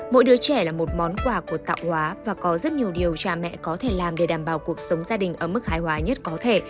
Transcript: mỗi đứa trẻ là một món quà của tạo hóa và có rất nhiều điều cha mẹ có thể làm để đảm bảo cuộc sống gia đình ở mức hài hòa nhất có thể